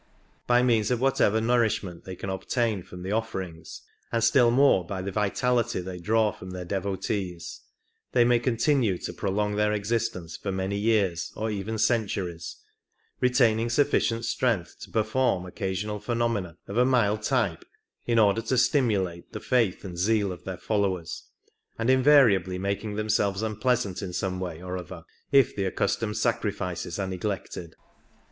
By means of whatever nourishment they can obtain from the offerings, and still more by the vitality they draw from their devotees, they may continue to prolong their existence for many years, or even centuries, retaining sufficient strength to perform occasional phenomena of a mild type in order to stimulate the faith and zeal of their followers, and invariably making themselves unpleasant in some way or other if the accustomed sacrifices are neglected.